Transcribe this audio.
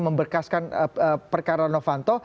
memberkaskan perkara novanto